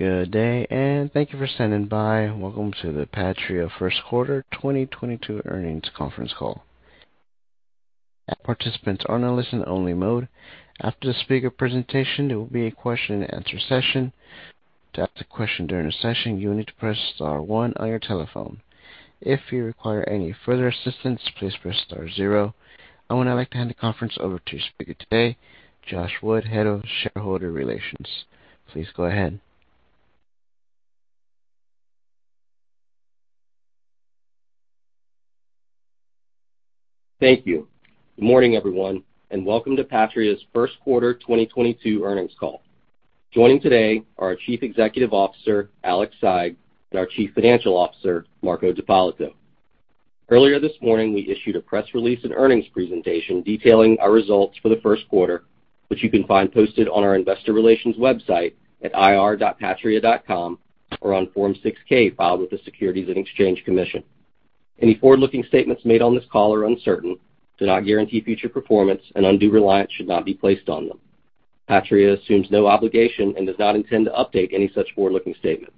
Good day, and thank you for standing by. Welcome to the Patria first quarter 2022 earnings conference call. Participants are now in listen only mode. After the speaker presentation, there will be a question and answer session. To ask a question during the session, you will need to press star one on your telephone. If you require any further assistance, please press star zero. I would now like to hand the conference over to your speaker today, Josh Wood, Head of Shareholder Relations. Please go ahead. Thank you. Good morning, everyone, and welcome to Patria's first quarter 2022 earnings call. Joining today are our Chief Executive Officer, Alexandre Saigh, and our Chief Financial Officer, Marco D'Ippolito. Earlier this morning, we issued a press release and earnings presentation detailing our results for the first quarter, which you can find posted on our investor relations website at ir.patria.com or on Form 6-K, filed with the Securities and Exchange Commission. Any forward-looking statements made on this call are uncertain, do not guarantee future performance, and undue reliance should not be placed on them. Patria assumes no obligation and does not intend to update any such forward-looking statements.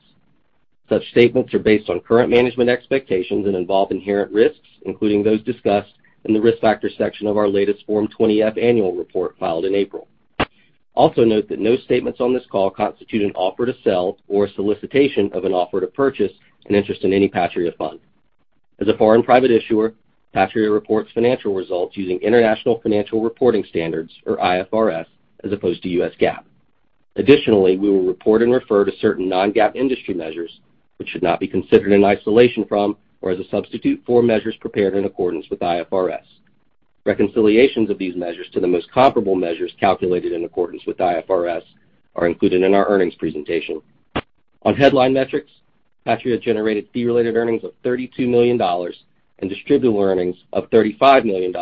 Such statements are based on current management expectations and involve inherent risks, including those discussed in the Risk Factors section of our latest Form 20-F annual report filed in April. Also note that no statements on this call constitute an offer to sell or a solicitation of an offer to purchase an interest in any Patria fund. As a foreign private issuer, Patria reports financial results using international financial reporting standards, or IFRS, as opposed to US GAAP. Additionally, we will report and refer to certain non-GAAP industry measures which should not be considered in isolation from or as a substitute for measures prepared in accordance with IFRS. Reconciliations of these measures to the most comparable measures calculated in accordance with IFRS are included in our earnings presentation. On headline metrics, Patria generated fee-related earnings of $32 million and distributable earnings of $35 million,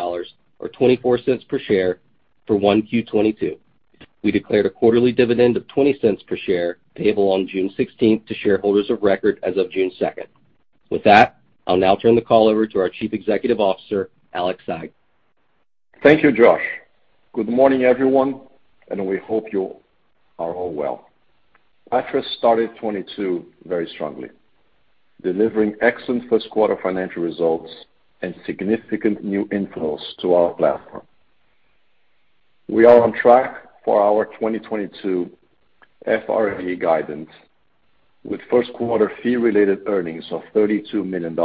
or 24 cents per share for 1Q 2022. We declared a quarterly dividend of 20 cents per share payable on June 16th to shareholders of record as of June second. With that, I'll now turn the call over to our Chief Executive Officer, Alexandre Saigh. Thank you, Josh. Good morning, everyone, and we hope you are all well. Patria started 2022 very strongly, delivering excellent first quarter financial results and significant new inflows to our platform. We are on track for our 2022 FRE guidance with first quarter fee-related earnings of $32 million,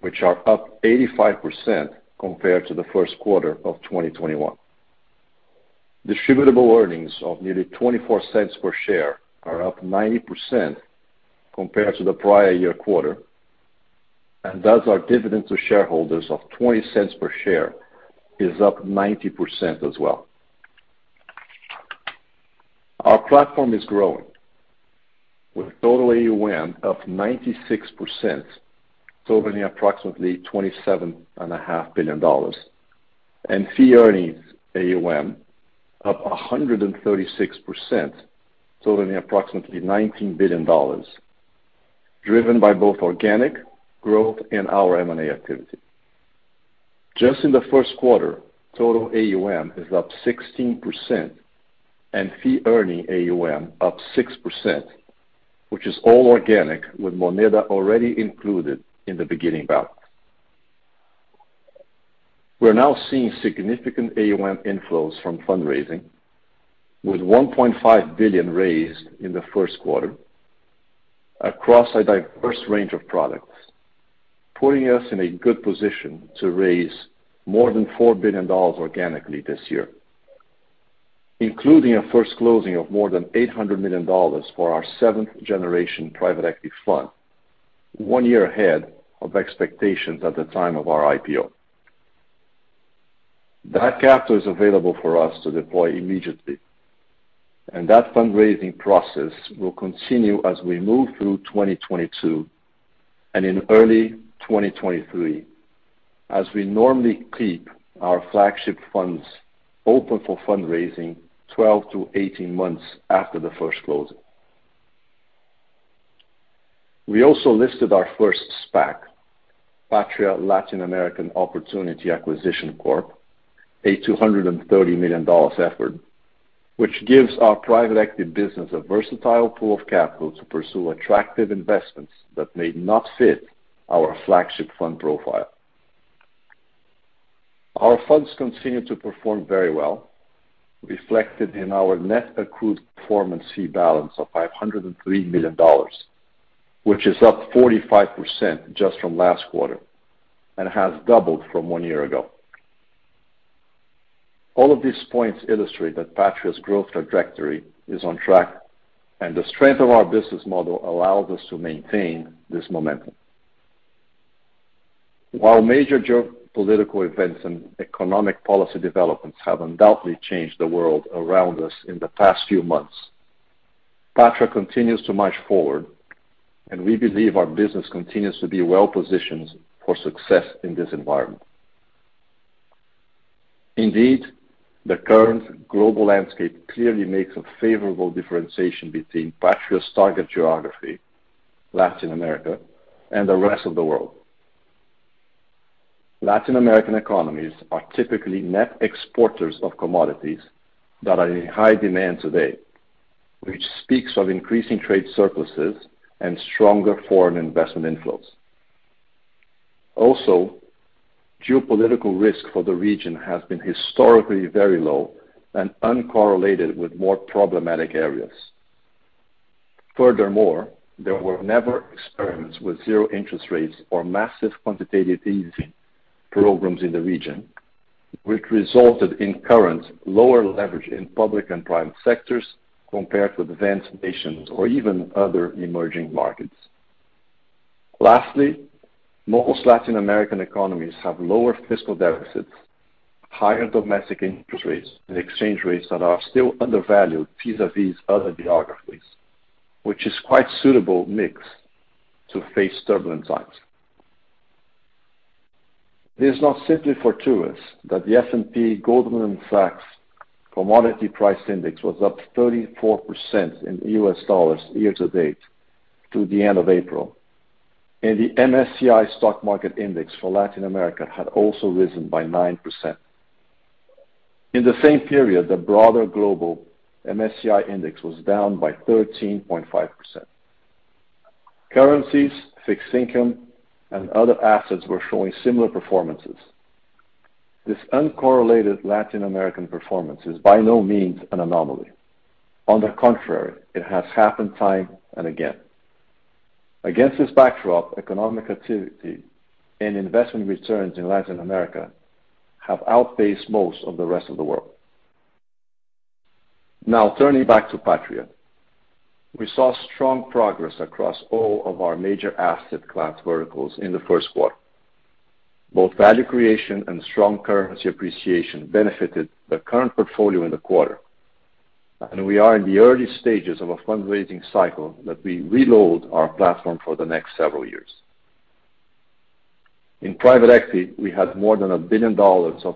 which are up 85% compared to the first quarter of 2021. Distributable earnings of nearly $0.24 per share are up 90% compared to the prior year quarter, and thus our dividend to shareholders of $0.20 per share is up 90% as well. Our platform is growing with total AUM up 96%, totaling approximately $27.5 billion, and fee-earning AUM up 136%, totaling approximately $19 billion, driven by both organic growth and our M&A activity. Just in the first quarter, total AUM is up 16% and fee earning AUM up 6%, which is all organic, with Moneda already included in the beginning balance. We're now seeing significant AUM inflows from fundraising, with $1.5 billion raised in the first quarter across a diverse range of products, putting us in a good position to raise more than $4 billion organically this year, including a first closing of more than $800 million for our seventh generation private equity fund, one year ahead of expectations at the time of our IPO. That capital is available for us to deploy immediately, and that fundraising process will continue as we move through 2022 and in early 2023, as we normally keep our flagship funds open for fundraising 12-18 months after the first closing. We also listed our first SPAC, Patria Latin American Opportunity Acquisition Corp, a $230 million effort, which gives our private equity business a versatile pool of capital to pursue attractive investments that may not fit our flagship fund profile. Our funds continue to perform very well, reflected in our net accrued performance fee balance of $503 million, which is up 45% just from last quarter and has doubled from one year ago. All of these points illustrate that Patria's growth trajectory is on track, and the strength of our business model allows us to maintain this momentum. While major geopolitical events and economic policy developments have undoubtedly changed the world around us in the past few months, Patria continues to march forward, and we believe our business continues to be well-positioned for success in this environment. Indeed, the current global landscape clearly makes a favorable differentiation between Patria's target geography, Latin America, and the rest of the world. Latin American economies are typically net exporters of commodities that are in high demand today, which speaks of increasing trade surpluses and stronger foreign investment inflows. Also, geopolitical risk for the region has been historically very low and uncorrelated with more problematic areas. Furthermore, there were never experiments with zero interest rates or massive quantitative easing programs in the region, which resulted in current lower leverage in public and private sectors compared to advanced nations or even other emerging markets. Lastly, most Latin American economies have lower fiscal deficits, higher domestic interest rates, and exchange rates that are still undervalued vis-a-vis other geographies, which is quite suitable mix to face turbulent times. It is not simply fortuitous that the S&P GSCI was up 34% in U.S. dollars year-to-date through the end of April, and the MSCI EM Latin America Index had also risen by 9%. In the same period, the broader global MSCI index was down by 13.5%. Currencies, fixed income, and other assets were showing similar performances. This uncorrelated Latin American performance is by no means an anomaly. On the contrary, it has happened time and again. Against this backdrop, economic activity and investment returns in Latin America have outpaced most of the rest of the world. Now turning back to Patria. We saw strong progress across all of our major asset class verticals in the first quarter. Both value creation and strong currency appreciation benefited the current portfolio in the quarter, and we are in the early stages of a fundraising cycle that we reload our platform for the next several years. In private equity, we had more than $1 billion of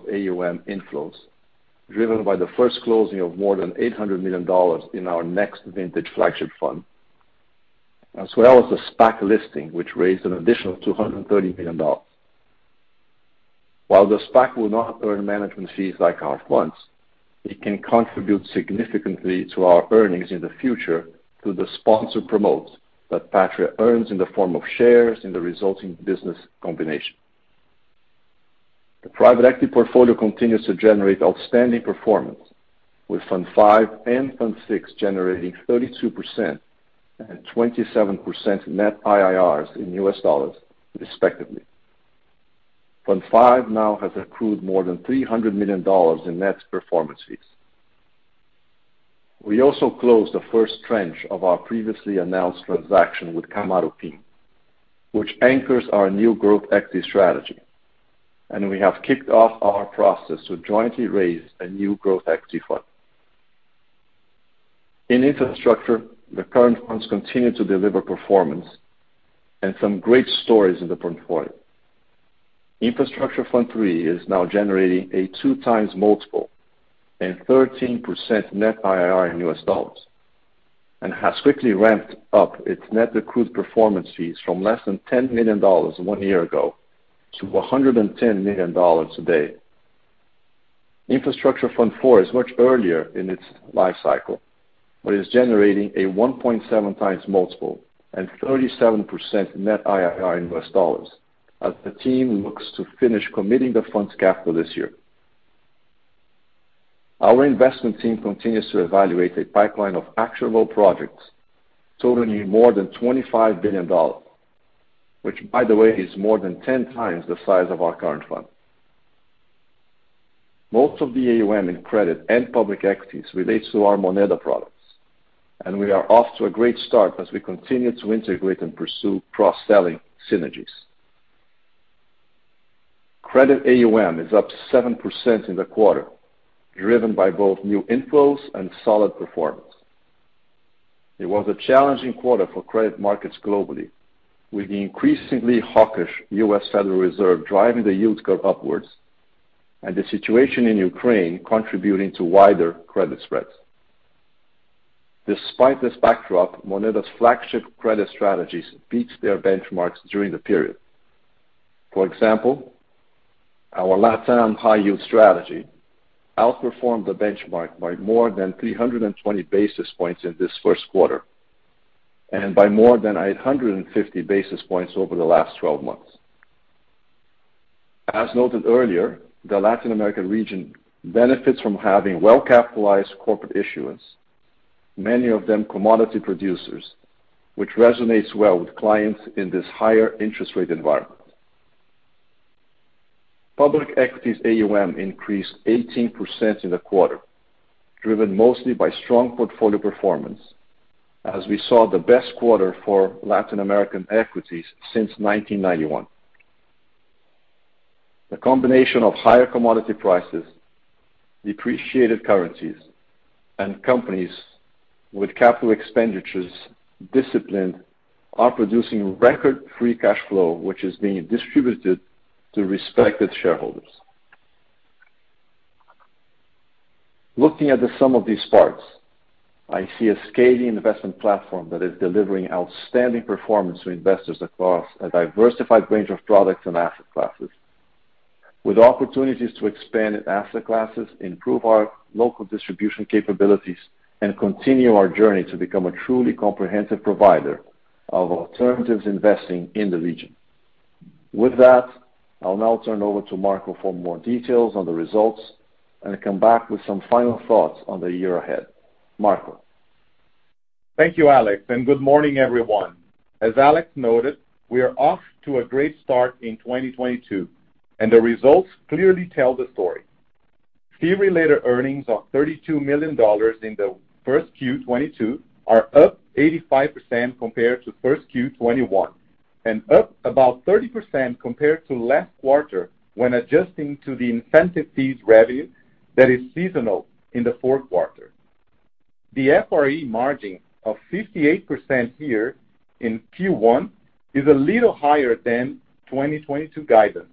AUM inflows, driven by the first closing of more than $800 million in our next vintage flagship fund, as well as the SPAC listing, which raised an additional $230 million. While the SPAC will not earn management fees like our funds, it can contribute significantly to our earnings in the future through the sponsor promotes that Patria earns in the form of shares in the resulting business combination. The private equity portfolio continues to generate outstanding performance, with Fund five and Fund six generating 32% and 27% net IRRs in U.S. dollars, respectively. Fund V now has accrued more than $300 million in net performance fees. We also closed the first tranche of our previously announced transaction with Kamaroopin, which anchors our new growth equity strategy, and we have kicked off our process to jointly raise a new growth equity fund. In infrastructure, the current funds continue to deliver performance and some great stories in the portfolio. Infrastructure Fund III is now generating a 2x multiple and 13% net IRR in U.S. dollars and has quickly ramped up its net accrued performance fees from less than $10 million one year ago to $110 million today. Infrastructure Fund IV is much earlier in its life cycle, but is generating a 1.7x multiple and 37% net IRR in US dollars as the team looks to finish committing the fund's capital this year. Our investment team continues to evaluate a pipeline of actionable projects totaling more than $25 billion, which, by the way, is more than 10 times the size of our current fund. Most of the AUM in credit and public equities relates to our Moneda products, and we are off to a great start as we continue to integrate and pursue cross-selling synergies. Credit AUM is up 7% in the quarter, driven by both new inflows and solid performance. It was a challenging quarter for credit markets globally, with the increasingly hawkish US Federal Reserve driving the yield curve upwards and the situation in Ukraine contributing to wider credit spreads. Despite this backdrop, Moneda's flagship credit strategies beat their benchmarks during the period. For example, our LatAm high yield strategy outperformed the benchmark by more than 320 basis points in this first quarter and by more than 850 basis points over the last twelve months. As noted earlier, the Latin American region benefits from having well-capitalized corporate issuance, many of them commodity producers, which resonates well with clients in this higher interest rate environment. Public equities AUM increased 18% in the quarter, driven mostly by strong portfolio performance as we saw the best quarter for Latin American equities since 1991. The combination of higher commodity prices, depreciated currencies, and companies with disciplined capital expenditures are producing record free cash flow, which is being distributed to respective shareholders. Looking at the sum of these parts, I see a scaling investment platform that is delivering outstanding performance to investors across a diversified range of products and asset classes. With opportunities to expand asset classes, improve our local distribution capabilities, and continue our journey to become a truly comprehensive provider of alternative investing in the region. With that, I'll now turn over to Marco for more details on the results and come back with some final thoughts on the year ahead. Marco. Thank you, Alex, and good morning, everyone. As Alex noted, we are off to a great start in 2022, and the results clearly tell the story. Fee-related earnings of $32 million in the first Q1 2022 are up 85% compared to first Q1 2021, and up about 30% compared to last quarter when adjusting to the incentive fees revenue that is seasonal in the fourth quarter. The FRE margin of 58% here in Q1 is a little higher than 2022 guidance,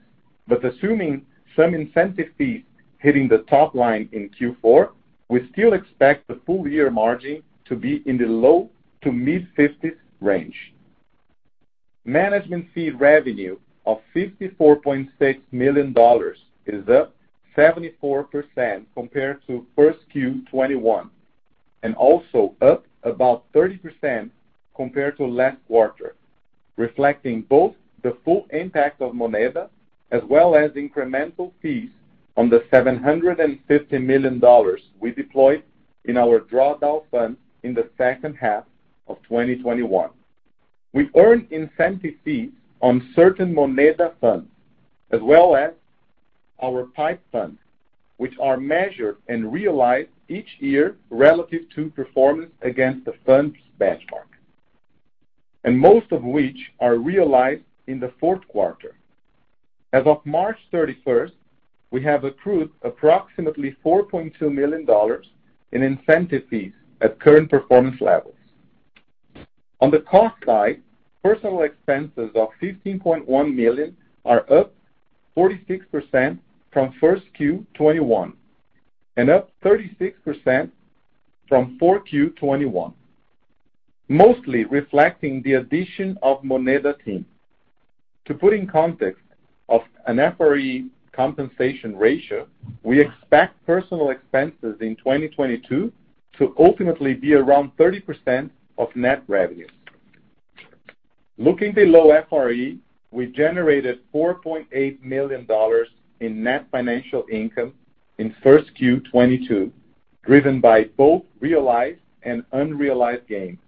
but assuming some incentive fees hitting the top line in Q4, we still expect the full year margin to be in the low-to-mid 50s% range. Management fee revenue of $54.6 million is up 74% compared to Q1 2021, and also up about 30% compared to last quarter, reflecting both the full impact of Moneda as well as incremental fees on the $750 million we deployed in our drawdown funds in the second half of 2021. We earn incentive fees on certain Moneda funds as well as our PIPE funds, which are measured and realized each year relative to performance against the fund's benchmark. Most of which are realized in the fourth quarter. As of March 31st, we have accrued approximately $4.2 million in incentive fees at current performance levels. On the cost side, personnel expenses of $15.1 million are up 46% from Q1 2021 and up 36% from 4Q 2021, mostly reflecting the addition of Moneda team. To put in context of an FRE compensation ratio, we expect personnel expenses in 2022 to ultimately be around 30% of net revenue. Looking below FRE, we generated $4.8 million in net financial income in Q1 2022, driven by both realized and unrealized gains,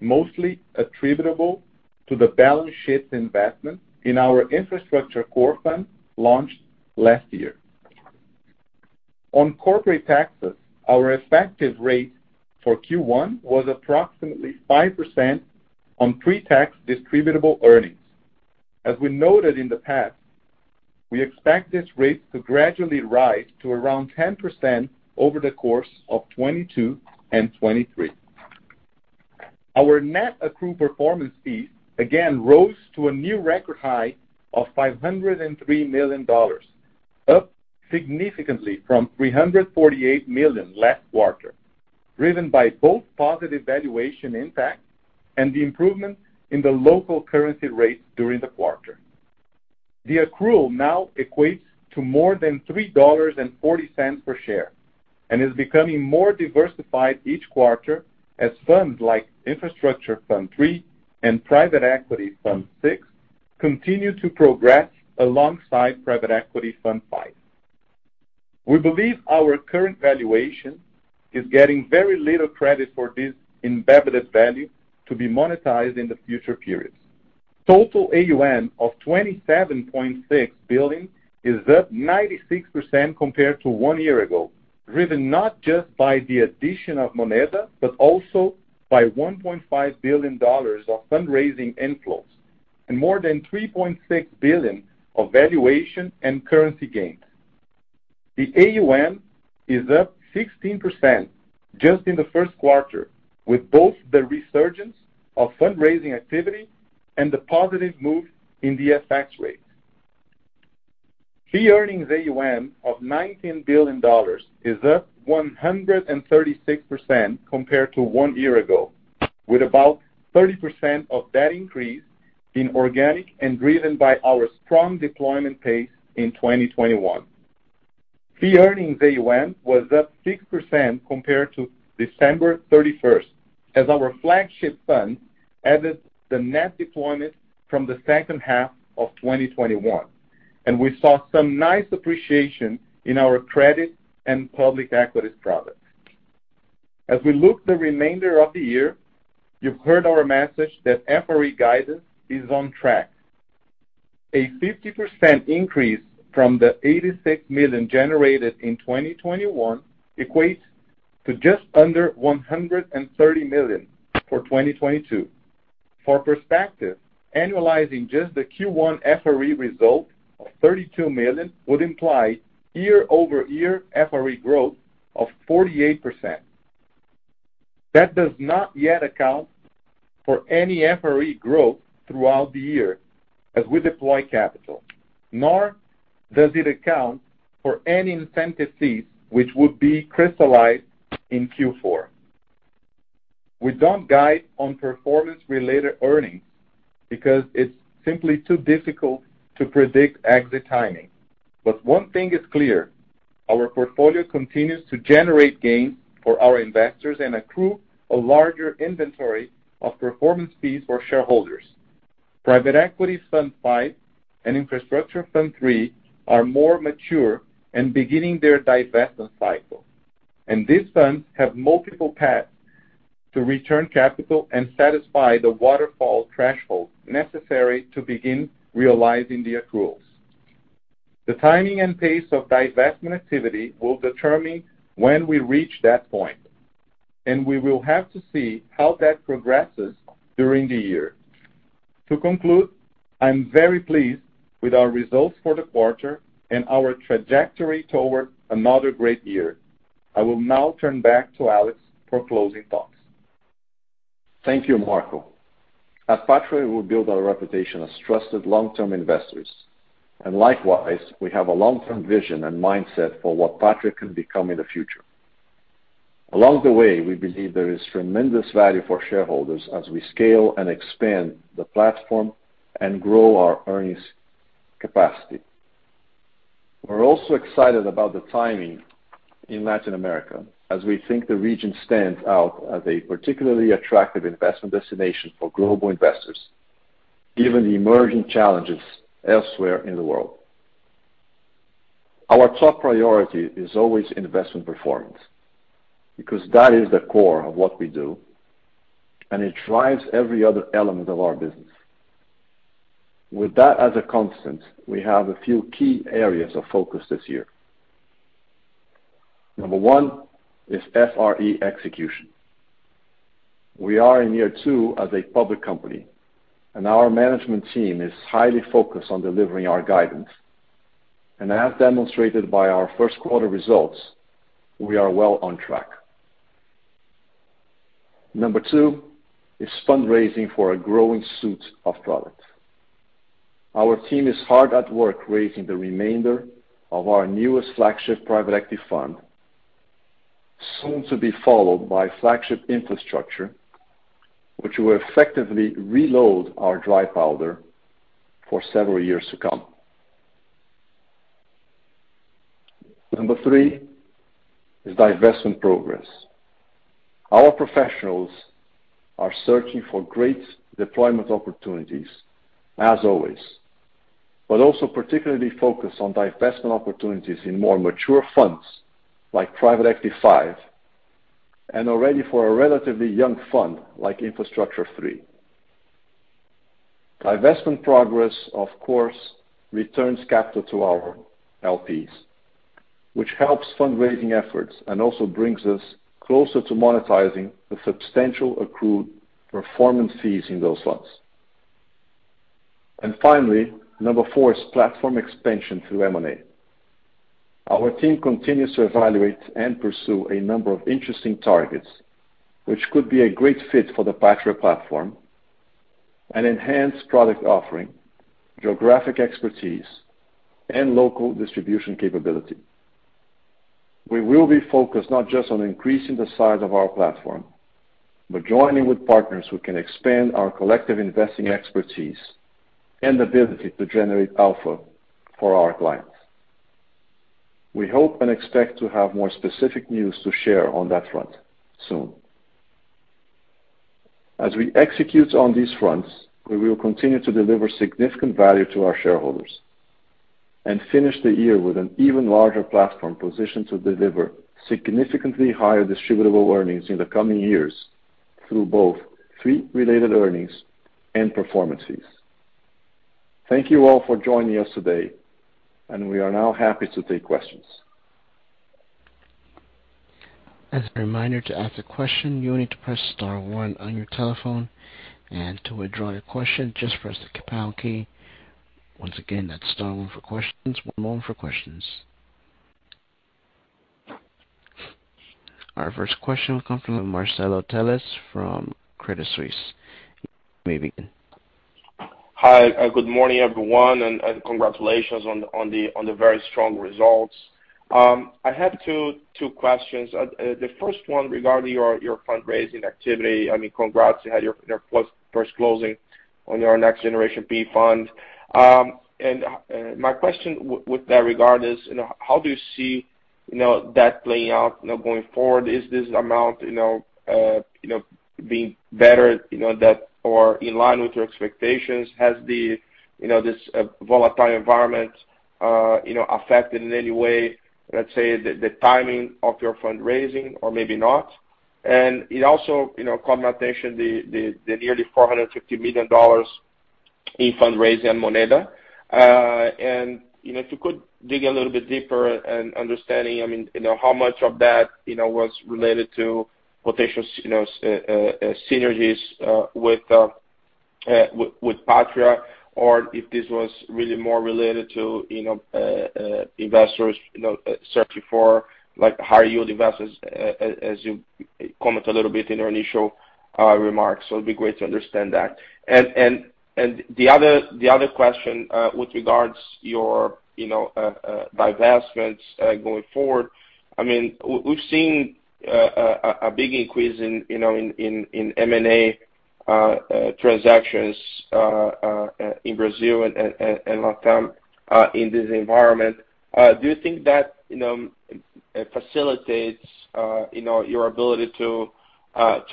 mostly attributable to the balance sheet investment in our Core Infrastructure fund launched last year. On corporate taxes, our effective rate for Q1 was approximately 5% on pre-tax distributable earnings. As we noted in the past, we expect this rate to gradually rise to around 10% over the course of 2022 and 2023. Our net accrued performance fee again rose to a new record high of $503 million, up significantly from $348 million last quarter, driven by both positive valuation impact and the improvement in the local currency rates during the quarter. The accrual now equates to more than $3.40 per share and is becoming more diversified each quarter as funds like Infrastructure Fund III and Private Equity Fund VI continue to progress alongside Private Equity Fund V. We believe our current valuation is getting very little credit for this embedded value to be monetized in the future periods. Total AUM of $27.6 billion is up 96% compared to one year ago, driven not just by the addition of Moneda, but also by $1.5 billion of fundraising inflows and more than $3.6 billion of valuation and currency gains. The AUM is up 16% just in the first quarter, with both the resurgence of fundraising activity and the positive move in the FX rate. Fee-earning AUM of $19 billion is up 136% compared to one year ago, with about 30% of that increase being organic and driven by our strong deployment pace in 2021. Fee-earning AUM was up 6% compared to December 31st as our flagship fund added the net deployment from the second half of 2021, and we saw some nice appreciation in our credit and public equities products. As we look to the remainder of the year, you've heard our message that FRE guidance is on track. A 50% increase from the $86 million generated in 2021 equates to just under $130 million for 2022. For perspective, annualizing just the Q1 FRE result of $32 million would imply year-over-year FRE growth of 48%. That does not yet account for any FRE growth throughout the year as we deploy capital, nor does it account for any incentive fees which would be crystallized in Q4. We don't guide on performance-related earnings because it's simply too difficult to predict exit timing. One thing is clear, our portfolio continues to generate gains for our investors and accrue a larger inventory of performance fees for shareholders. Private Equity Fund Five and Infrastructure Fund Three are more mature and beginning their divestment cycle, and these funds have multiple paths to return capital and satisfy the waterfall threshold necessary to begin realizing the accruals. The timing and pace of divestment activity will determine when we reach that point, and we will have to see how that progresses during the year. To conclude, I'm very pleased with our results for the quarter and our trajectory toward another great year. I will now turn back to Alex for closing thoughts. Thank you, Marco. At Patria, we build our reputation as trusted long-term investors, and likewise, we have a long-term vision and mindset for what Patria can become in the future. Along the way, we believe there is tremendous value for shareholders as we scale and expand the platform and grow our earnings capacity. We're also excited about the timing in Latin America as we think the region stands out as a particularly attractive investment destination for global investors, given the emerging challenges elsewhere in the world. Our top priority is always investment performance, because that is the core of what we do, and it drives every other element of our business. With that as a constant, we have a few key areas of focus this year. Number one is FRE execution. We are in year two as a public company, and our management team is highly focused on delivering our guidance. As demonstrated by our first quarter results, we are well on track. Number two is fundraising for a growing suite of products. Our team is hard at work raising the remainder of our newest flagship private equity fund, soon to be followed by flagship infrastructure, which will effectively reload our dry powder for several years to come. Number three is divestment progress. Our professionals are searching for great deployment opportunities as always, but also particularly focused on divestment opportunities in more mature funds like Private Equity Fund V and already for a relatively young fund like Infrastructure Fund III. Divestment progress, of course, returns capital to our LPs, which helps fundraising efforts and also brings us closer to monetizing the substantial accrued performance fees in those funds. Finally, number four is platform expansion through M&A. Our team continues to evaluate and pursue a number of interesting targets, which could be a great fit for the Patria platform and enhance product offering, geographic expertise, and local distribution capability. We will be focused not just on increasing the size of our platform, but joining with partners who can expand our collective investing expertise and ability to generate alpha for our clients. We hope and expect to have more specific news to share on that front soon. As we execute on these fronts, we will continue to deliver significant value to our shareholders and finish the year with an even larger platform positioned to deliver significantly higher distributable earnings in the coming years through both fee-related earnings and performance fees. Thank you all for joining us today, and we are now happy to take questions. As a reminder to ask a question, you will need to press star one on your telephone, and to withdraw your question, just press the pound key. Once again, that's star one for questions, one more for questions. Our first question will come from Marcelo Telles from Credit Suisse. You may begin. Hi, good morning, everyone, and congratulations on the very strong results. I have two questions. The first one regarding your fundraising activity. I mean, congrats, you had your first closing on your next-generation PE fund. My question with regard to that is, you know, how do you see, you know, that playing out, you know, going forward? Is this amount, you know, being better, you know, than or in line with your expectations? Has this, you know, volatile environment, you know, affected in any way, let's say, the timing of your fundraising or maybe not? It also, you know, comment on the nearly $450 million in fundraising at Moneda. You know, if you could dig a little bit deeper in understanding, I mean, you know, how much of that, you know, was related to potential synergies with Patria, or if this was really more related to, you know, investors searching for like higher yield investments, as you comment a little bit in your initial remarks. It'd be great to understand that. The other question with regards your divestments going forward, I mean, we've seen a big increase in M&A transactions in Brazil and LatAm in this environment. Do you think that, you know, facilitates your ability to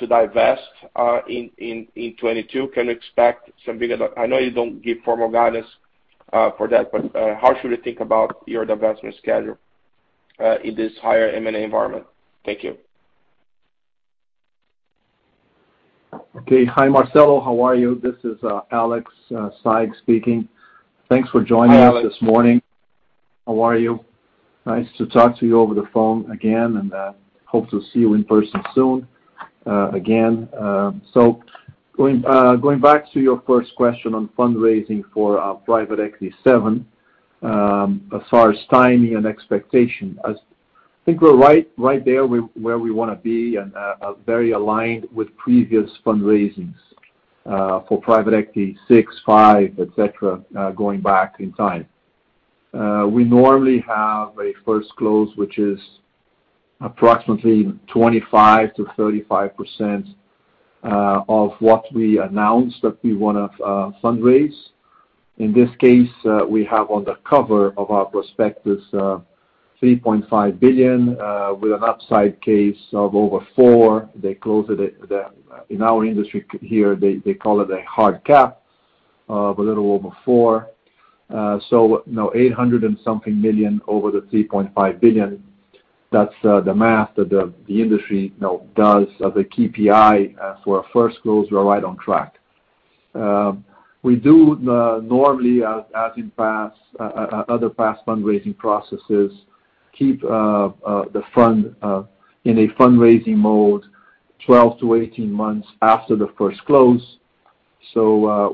divest in 2022? Can we expect some bigger? I know you don't give formal guidance for that, but how should we think about your divestment schedule in this higher M&A environment? Thank you. Okay. Hi, Marcelo Telles. How are you? This is Alex Saigh speaking. Thanks for joining us. Hi, Alex. This morning. How are you? Nice to talk to you over the phone again, and hope to see you in person soon, again. Going back to your first question on fundraising for our Private Equity seven, as far as timing and expectation, I think we're right there where we wanna be and very aligned with previous fundraisings for Private Equity six, five, et cetera, going back in time. We normally have a first close, which is approximately 25%-35% of what we announced that we wanna fundraise. In this case, we have on the cover of our prospectus $3.5 billion with an upside case of over $4 billion. They close it at the. In our industry here, they call it a hard cap of a little over 4. So now $800-something million over the $3.5 billion. That's the math that the industry now does as a KPI for our first close. We're right on track. We do normally, as in past other past fundraising processes, keep the fund in a fundraising mode 12-18 months after the first close.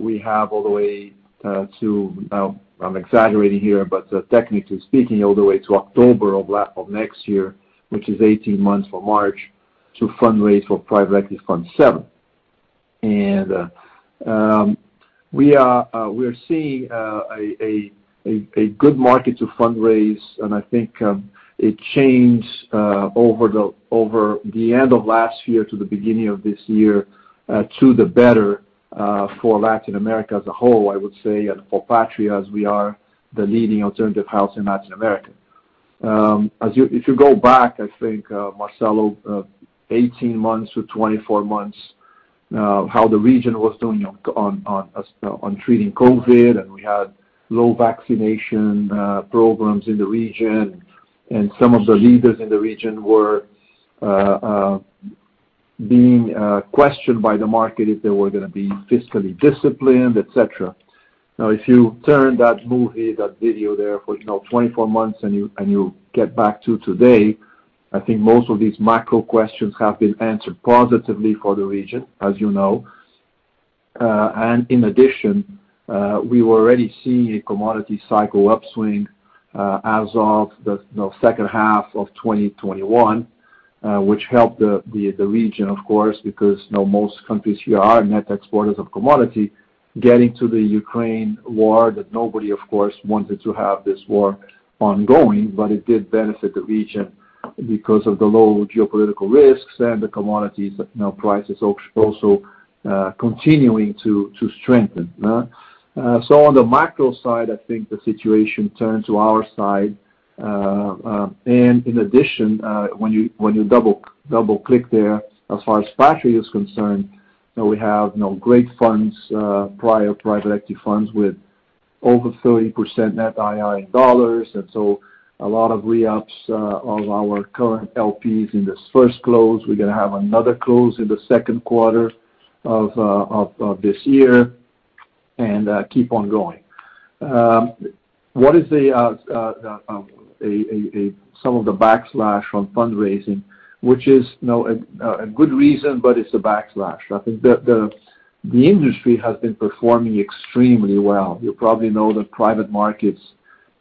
We have all the way to, now I'm exaggerating here, but technically speaking, all the way to October of next year, which is 18 months from March, to fundraise for Private Equity Fund VII. We're seeing a good market to fundraise, and I think it changed over the end of last year to the beginning of this year to the better for Latin America as a whole, I would say, and for Patria, as we are the leading alternative house in Latin America. If you go back, I think, Marcelo, 18 months to 24 months, how the region was doing on treating COVID, and we had low vaccination programs in the region, and some of the leaders in the region were being questioned by the market if they were gonna be fiscally disciplined, et cetera. Now, if you turn that movie, that video there for 24 months and you get back to today, I think most of these macro questions have been answered positively for the region, as you know. In addition, we were already seeing a commodity cycle upswing as of the second half of 2021, which helped the region, of course, because most countries here are net exporters of commodity. Getting to the Ukraine war that nobody, of course, wanted to have this war ongoing, but it did benefit the region because of the low geopolitical risks and the commodities prices also continuing to strengthen. On the macro side, I think the situation turned to our side. When you double-click there, as far as Patria is concerned, you know, we have, you know, great funds, prior private equity funds with over 30% net IRR in dollars. A lot of re-ups of our current LPs in this first close. We're gonna have another close in the second quarter of this year and keep on going. Some of the backlash on fundraising, which is, you know, a good reason, but it's a backlash. I think the industry has been performing extremely well. You probably know that private markets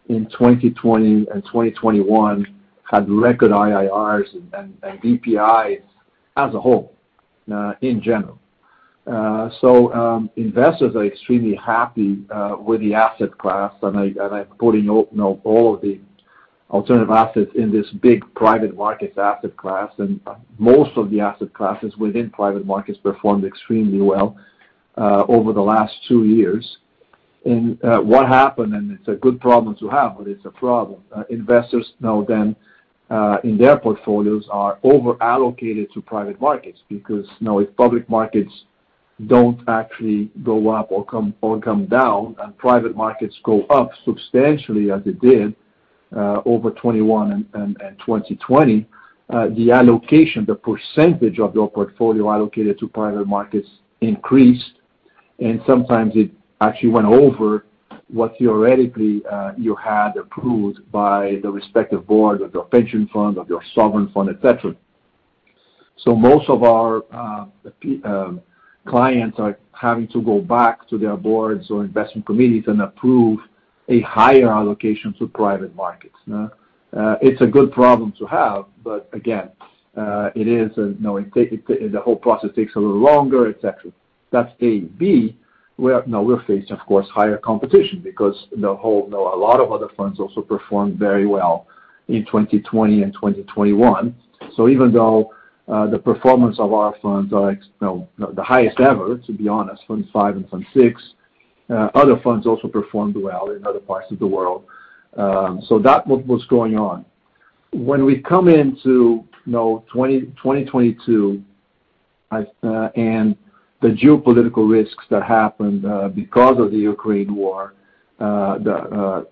in 2020 and 2021 had record IRRs and DPIs as a whole, in general. Investors are extremely happy with the asset class, and I'm putting, you know, all of the alternative assets in this big private markets asset class, and most of the asset classes within private markets performed extremely well over the last two years. What happened, and it's a good problem to have, but it's a problem, investors now then in their portfolios are over-allocated to private markets because now if public markets don't actually go up or come down and private markets go up substantially as it did over 2021 and 2020, the allocation, the percentage of your portfolio allocated to private markets increased, and sometimes it actually went over what theoretically you had approved by the respective board of your pension fund, of your sovereign fund, et cetera. Most of our clients are having to go back to their boards or investment committees and approve a higher allocation to private markets. It's a good problem to have, but again, it is, you know, the whole process takes a little longer, et cetera. That's A. B. Now we're facing, of course, higher competition because the whole, you know, a lot of other funds also performed very well in 2020 and 2021. Even though the performance of our funds are the highest ever, to be honest, fund five and fund six, other funds also performed well in other parts of the world. That's what was going on. When we come into 2022, the geopolitical risks that happened because of the Ukraine war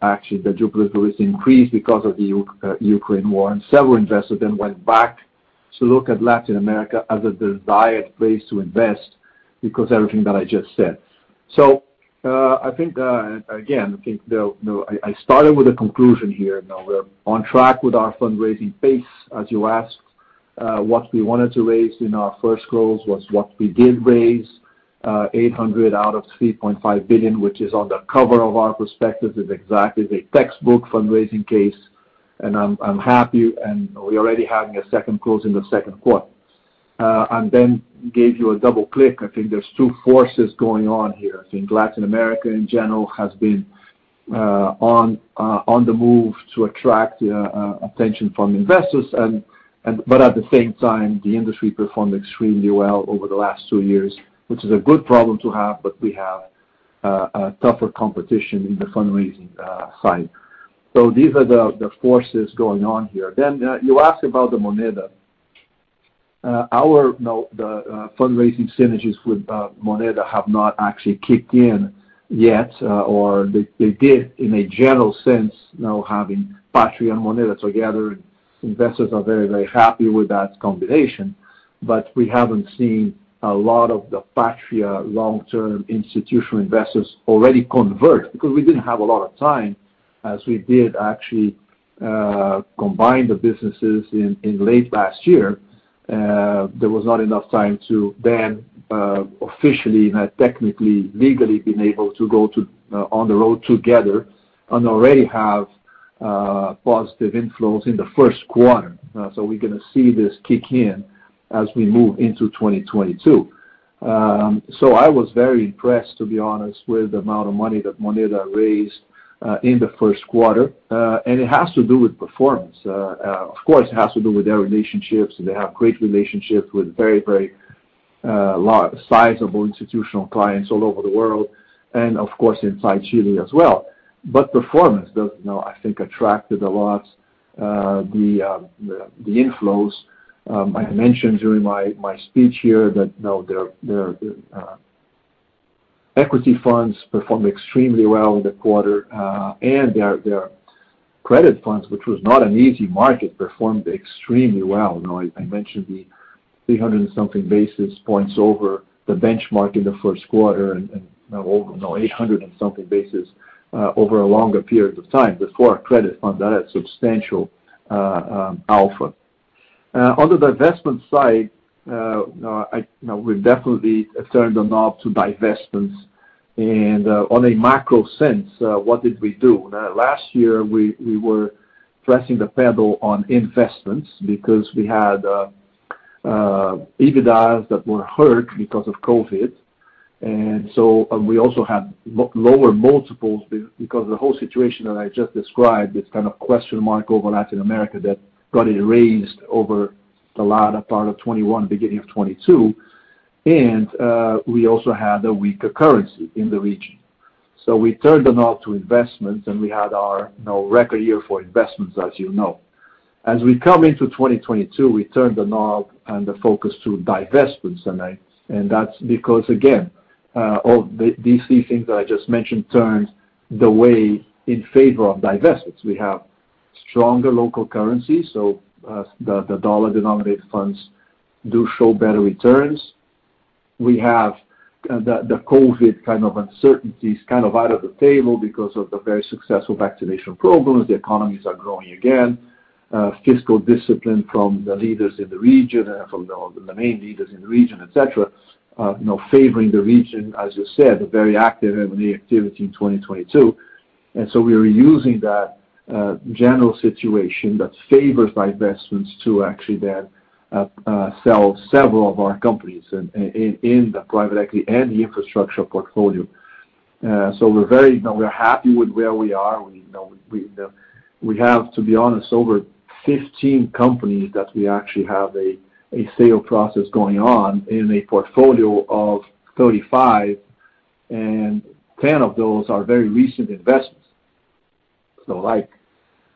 actually the geopolitical risk increased because of the Ukraine war, and several investors then went back to look at Latin America as a desired place to invest because everything that I just said. I think again, you know, I started with a conclusion here. You know, we're on track with our fundraising pace, as you asked. What we wanted to raise in our first close was what we did raise, $800 million out of $3.5 billion, which is on the cover of our prospectus. It's exactly the textbook fundraising case, and I'm happy, and we're already having a second close in the second quarter. Then gave you a double click. I think there's two forces going on here. I think Latin America, in general, has been on the move to attract attention from investors and but at the same time, the industry performed extremely well over the last two years, which is a good problem to have, but we have a tougher competition in the fundraising side. These are the forces going on here. You asked about the Moneda. Our, you know, the fundraising synergies with Moneda have not actually kicked in yet, or they did in a general sense, you know, having Patria and Moneda together. Investors are very, very happy with that combination. But we haven't seen a lot of the Patria long-term institutional investors already convert because we didn't have a lot of time, as we did actually combine the businesses in late last year. There was not enough time to then officially, not technically, legally be able to go on the road together and already have positive inflows in the first quarter. We're gonna see this kick in as we move into 2022. I was very impressed, to be honest, with the amount of money that Moneda raised in the first quarter. It has to do with performance. Of course, it has to do with their relationships. They have great relationships with very sizable institutional clients all over the world and of course inside Chile as well. Performance does, you know, I think attracted a lot the inflows. I mentioned during my speech here that, you know, their equity funds performed extremely well in the quarter, and their credit funds, which was not an easy market, performed extremely well. You know, I mentioned the 300-something basis points over the benchmark in the first quarter and over, you know, 800-something basis points over a longer period of time for the credit fund. That is substantial alpha. On the divestment side, I, you know, we've definitely turned the knob to divestments. On a macro sense, what did we do? Now last year, we were pressing the pedal on investments because we had EBITDA that were hurt because of COVID. We also had lower multiples because of the whole situation that I just described, this kind of question mark over Latin America that got erased over the latter part of 2021, beginning of 2022. We also had a weaker currency in the region. We turned the knob to investments, and we had our, you know, record year for investments, as you know. As we come into 2022, we turned the knob and the focus to divestments, and that's because, again, all these three things that I just mentioned turned the way in favor of divestments. We have stronger local currency, so the dollar-denominated funds do show better returns. We have the COVID kind of uncertainties kind of out of the table because of the very successful vaccination programs. The economies are growing again. Fiscal discipline from the leaders in the region and from the main leaders in the region, you know, favoring the region, as you said, very active M&A activity in 2022. We're using that general situation that favors divestments to actually sell several of our companies in the private equity and the infrastructure portfolio. We're very, you know, we're happy with where we are. We, you know, have, to be honest, over 15 companies that we actually have a sale process going on in a portfolio of 35, and 10 of those are very recent investments. Like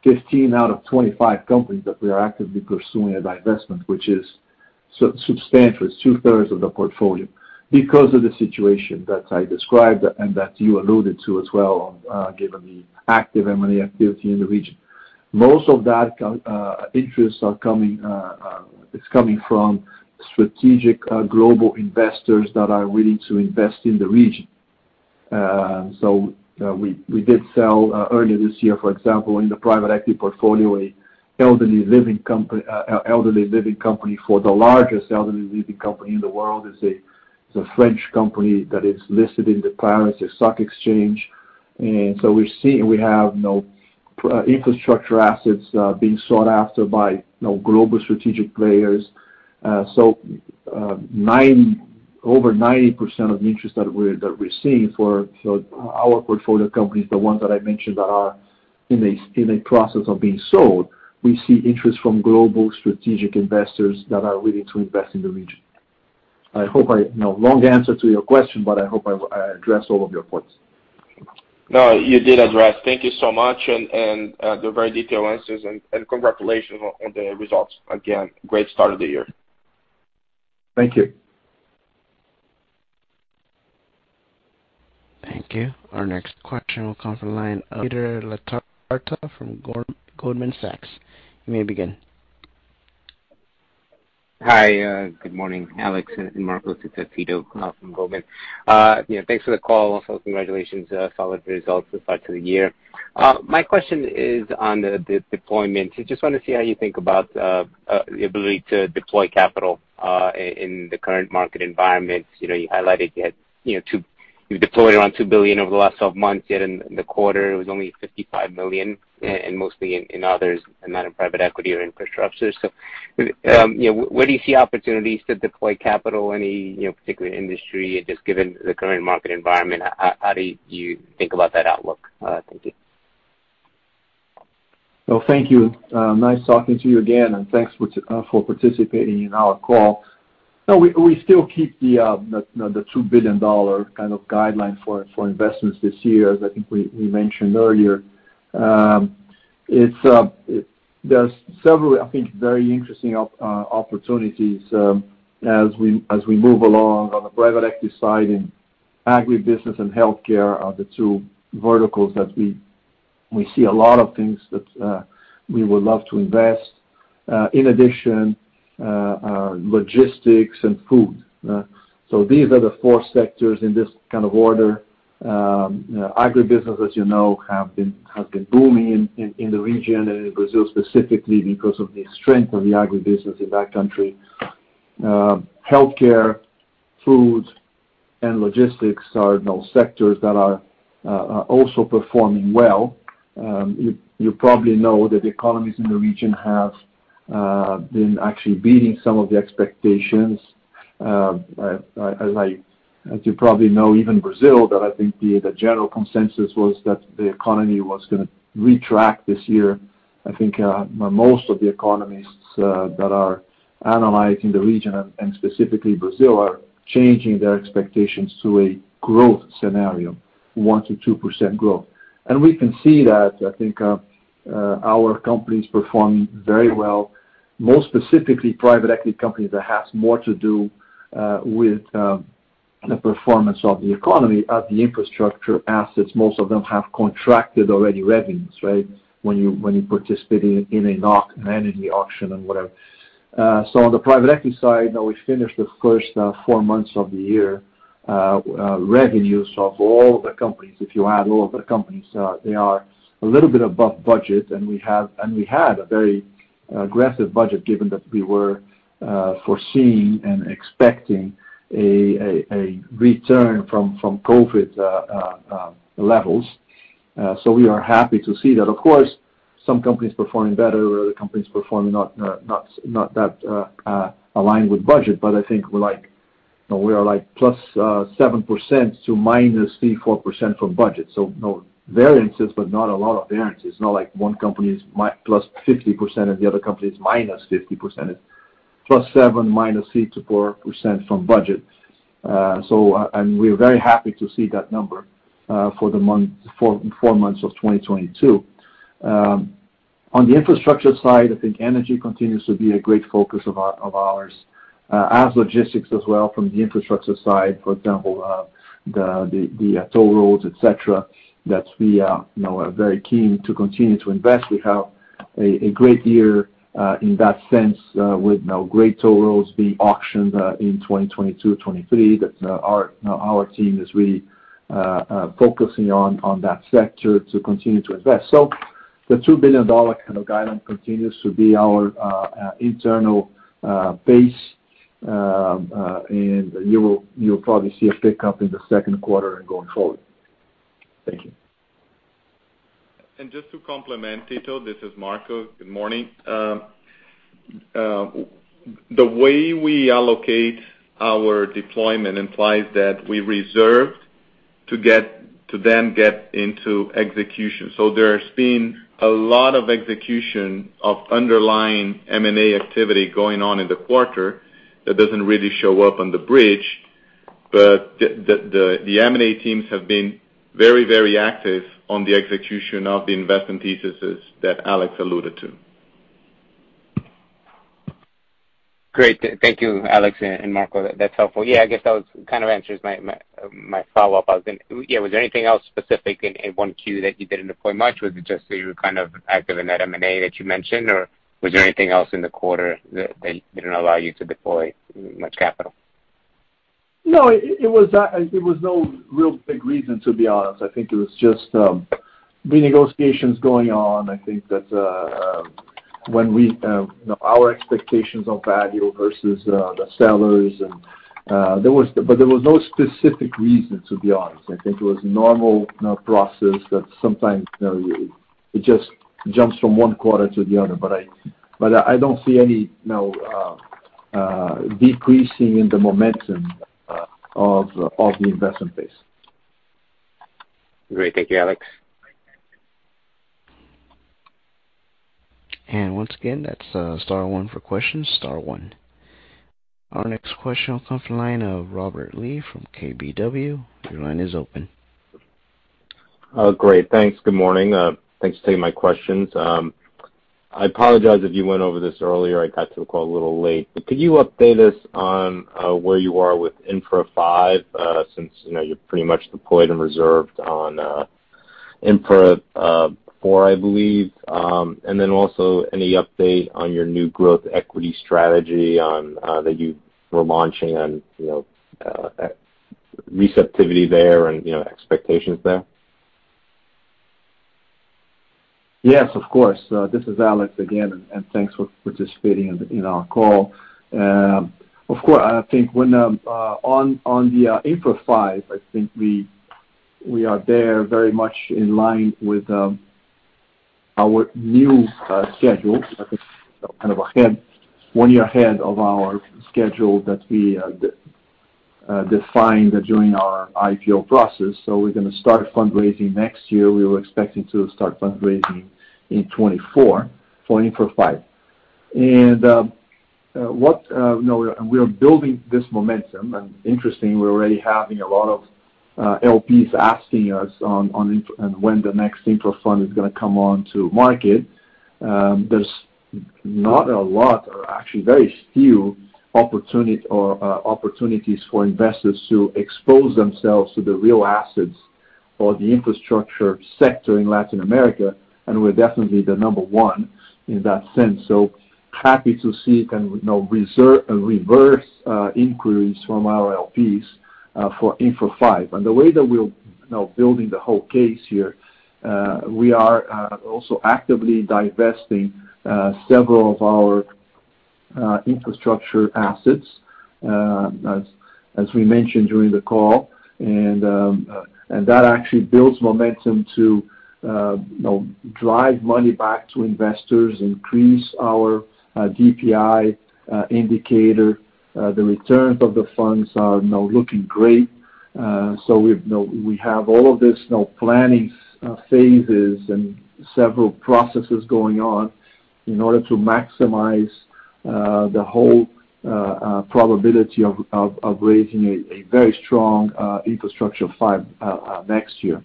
15 out of 25 companies that we are actively pursuing a divestment, which is substantial. It's two-thirds of the portfolio because of the situation that I described and that you alluded to as well, given the active M&A activity in the region. Most of that interest is coming from strategic global investors that are willing to invest in the region. We did sell earlier this year, for example, in the private equity portfolio, an elderly living company to the largest elderly living company in the world. It's a French company that is listed in the Paris Stock Exchange. We're seeing we have, you know, infrastructure assets being sought after by, you know, global strategic players. Over 90% of the interest that we're seeing for our portfolio companies, the ones that I mentioned that are in a process of being sold, we see interest from global strategic investors that are willing to invest in the region. I hope I, you know, long answer to your question, but I hope I addressed all of your points. No, you did address. Thank you so much and they're very detailed answers and congratulations on the results. Again, great start of the year. Thank you. Thank you. Our next question will come from the line of Tito Labarta from Goldman Sachs. You may begin. Hi, good morning, Alex and Marco. It's Tito from Goldman. Yeah, thanks for the call. Also, congratulations, solid results this quarter. My question is on the deployment. I just wanna see how you think about the ability to deploy capital in the current market environment. You know, you highlighted you had, you know, you deployed around $2 billion over the last 12 months, yet in the quarter it was only $55 million, and mostly in others, not in private equity or infrastructure. You know, where do you see opportunities to deploy capital, any particular industry? Just given the current market environment, how do you think about that outlook? Thank you. Well, thank you. Nice talking to you again, and thanks for participating in our call. We still keep the $2 billion kind of guideline for investments this year, as I think we mentioned earlier. There's several, I think, very interesting opportunities as we move along on the private equity side in agribusiness and healthcare are the two verticals that we see a lot of things that we would love to invest. In addition, logistics and food. These are the four sectors in this kind of order. Agribusiness, as you know, have been booming in the region and in Brazil specifically because of the strength of the agribusiness in that country. Healthcare, food, and logistics are, you know, sectors that are also performing well. You probably know that the economies in the region have been actually beating some of the expectations. As you probably know, even Brazil, that I think the general consensus was that the economy was gonna contract this year. I think most of the economists that are analyzing the region and specifically Brazil are changing their expectations to a growth scenario, 1%-2% growth. We can see that, I think, our companies perform very well, more specifically private equity companies that has more to do with the performance of the economy as the infrastructure assets, most of them have contracted already revenues, right? When you participate in a knock and in the auction and whatever. On the private equity side, now we finished the first four months of the year, revenues of all the companies. If you add all of the companies, they are a little bit above budget, and we had a very aggressive budget given that we were foreseeing and expecting a return from COVID levels. We are happy to see that. Of course, some companies performing better, other companies performing not that aligned with budget. But I think we are plus 7% to minus 3%-4% from budget. Variances, but not a lot of variances. Not like one company is +50% and the other company is -50%. +7, -6% to 4% from budget. We're very happy to see that number for four months of 2022. On the infrastructure side, I think energy continues to be a great focus of ours, and logistics as well from the infrastructure side. For example, the toll roads, et cetera, that we, you know, are very keen to continue to invest. We have a great year in that sense with, you know, great toll roads being auctioned in 2022, 2023. That's our, you know, our team is really focusing on that sector to continue to invest. The $2 billion kind of guideline continues to be our internal base. You'll probably see a pickup in the second quarter and going forward. Thank you. Just to complement, Tito. This is Marco. Good morning. The way we allocate our deployment implies that we reserved to get to then get into execution. There's been a lot of execution of underlying M&A activity going on in the quarter that doesn't really show up on the bridge. The M&A teams have been very active on the execution of the investment theses that Alex alluded to. Great. Thank you, Alex and Marco. That's helpful. Yeah, I guess that was kind of answers my follow-up. Yeah, was there anything else specific in 1Q that you didn't deploy much? Was it just that you were kind of active in that M&A that you mentioned, or was there anything else in the quarter that didn't allow you to deploy much capital? No, it was no real big reason, to be honest. I think it was just renegotiations going on. I think that when we, you know, our expectations on value versus the sellers. There was no specific reason, to be honest. I think it was normal, you know, process that sometimes, you know, it just jumps from one quarter to the other. I don't see any, you know, decreasing in the momentum of the investment pace. Great. Thank you, Alex. Once again, that's star one for questions. Star one. Our next question will come from the line of Robert Lee from KBW. Your line is open. Oh, great. Thanks. Good morning. Thanks for taking my questions. I apologize if you went over this earlier. I got to the call a little late. Could you update us on where you are with Infra five since, you know, you're pretty much deployed and reserved on Infra four, I believe. And then also any update on your new growth equity strategy that you were launching and, you know, receptivity there and, you know, expectations there? Yes, of course. This is Alex again, and thanks for participating in our call. Of course, I think on the Infra five, I think we are there very much in line with our new schedule, I think, kind of ahead, one year ahead of our schedule that we defined during our IPO process. We're gonna start fundraising next year. We were expecting to start fundraising in 2024 for Infra five. You know, we are building this momentum, and interesting, we're already having a lot of LPs asking us on infra and when the next Infra fund is gonna come onto market. There's not a lot or actually very few opportunities for investors to expose themselves to the real assets or the infrastructure sector in Latin America, and we're definitely the number one in that sense. Happy to see kind of, you know, re-up inquiries from our LPs for Infra five. The way that we're, you know, building the whole case here, we are also actively divesting several of our infrastructure assets, as we mentioned during the call. That actually builds momentum to, you know, drive money back to investors, increase our DPI indicator. The returns of the funds are, you know, looking great. We've, you know, we have all of this, you know, planning phases and several processes going on in order to maximize the whole probability of raising a very strong Infrastructure Fund V next year.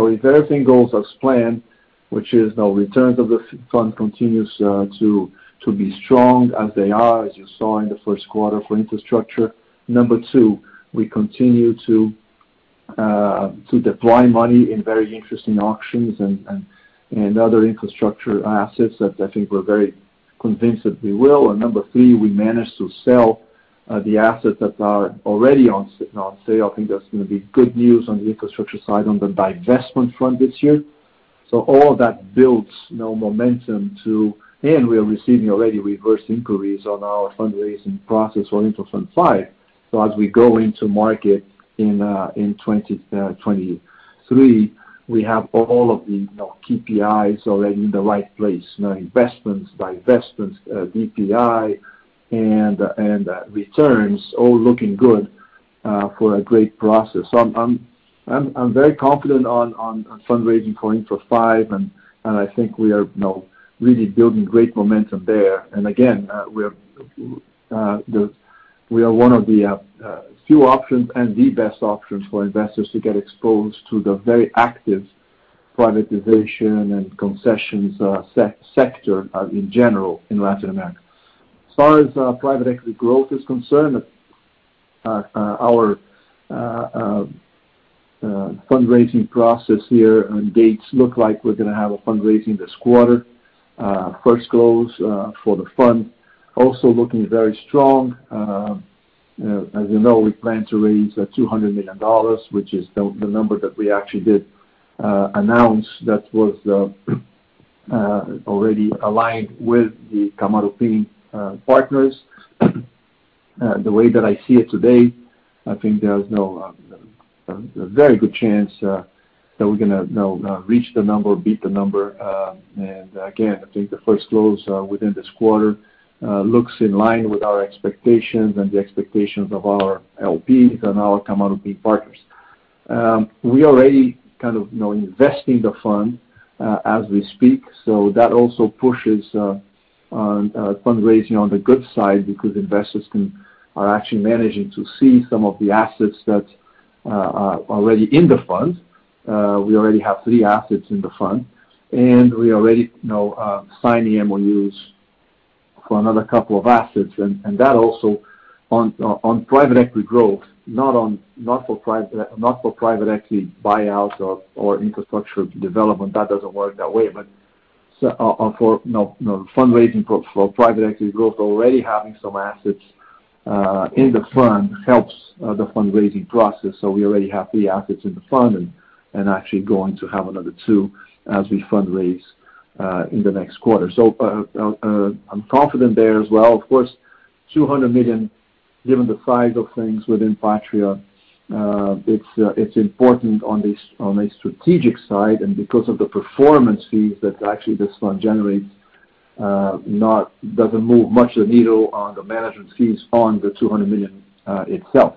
If everything goes as planned, which is, you know, returns of the fund continues to be strong as they are, as you saw in the first quarter for infrastructure. Number two, we continue to deploy money in very interesting auctions and other infrastructure assets that I think we're very convinced that we will. Number three, we managed to sell the assets that are already on sale. I think that's gonna be good news on the infrastructure side on the divestment front this year. All of that builds, you know, momentum to We are receiving already reverse inquiries on our fundraising process for Infrastructure Fund V. So as we go into market in 2023, we have all of the, you know, KPIs already in the right place. You know, investments, divestments, DPI and returns all looking good for a great process. So I'm very confident on fundraising for Infrastructure Fund V, and I think we are, you know, really building great momentum there. We are one of the few options and the best option for investors to get exposed to the very active privatization and concessions sector in general in Latin America. As far as private equity growth is concerned, our fundraising process here and dates look like we're gonna have a fundraising this quarter. First close for the fund also looking very strong. As you know, we plan to raise $200 million, which is the number that we actually did announce that was already aligned with the Kamaroopin partners. The way that I see it today, I think there is, you know, a very good chance that we're gonna, you know, reach the number, beat the number. Again, I think the first close within this quarter looks in line with our expectations and the expectations of our LPs and our Kamaroopin partners. We already kind of, you know, investing the fund as we speak, so that also pushes fundraising on the good side because investors are actually managing to see some of the assets that are already in the fund. We already have three assets in the fund, and we already, you know, signed the MOUs for another couple of assets. That also on private equity growth, not for private equity buyouts or infrastructure development, that doesn't work that way. For, you know, the fundraising for private equity growth, already having some assets in the fund helps the fundraising process. We already have three assets in the fund and actually going to have another two as we fundraise in the next quarter. I'm confident there as well. Of course, $200 million, given the size of things within Patria, it's important on a strategic side and because of the performance fees that actually this fund generates, doesn't move much the needle on the management fees on the $200 million itself.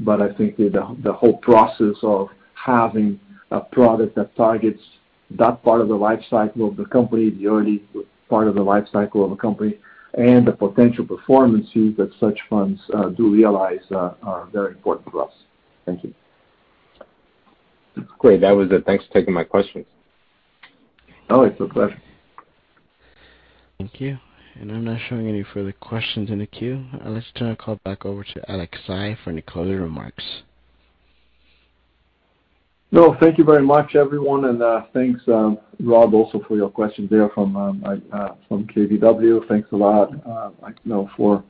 But I think the whole process of having a product that targets that part of the life cycle of the company, the early part of the life cycle of a company, and the potential performance fees that such funds do realize are very important to us. Thank you. Great. That was it. Thanks for taking my questions. Always, my pleasure. Thank you. I'm not showing any further questions in the queue. Let's turn the call back over to Alex Saigh for any closing remarks. No, thank you very much, everyone, and thanks, Robert, also for your question there from KBW. Thanks a lot, you know, for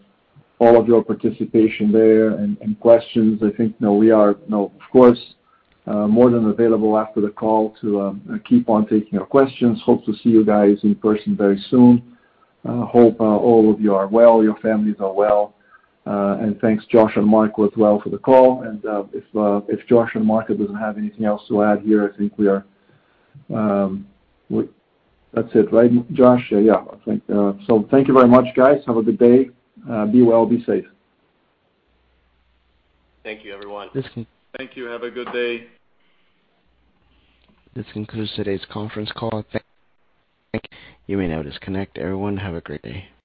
all of your participation there and questions. I think, you know, we are, you know, of course, more than available after the call to keep on taking your questions. Hope to see you guys in person very soon. Hope all of you are well, your families are well. Thanks Josh and Michael as well for the call. If Josh and Michael doesn't have anything else to add here, I think we are. That's it, right, Josh? Yeah, yeah. I think so, thank you very much, guys. Have a good day. Be well, be safe. Thank you, everyone. This con- Thank you. Have a good day. This concludes today's conference call. Thank you. You may now disconnect. Everyone, have a great day.